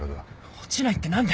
落ちないって何で。